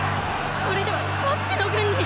これではどっちの軍に！